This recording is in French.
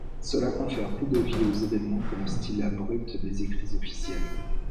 Cela confère plus de vie aux événements que le style abrupt des écrits officiels.